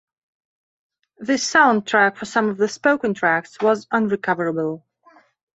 The soundtrack for some of the spoken tracks was unrecoverable.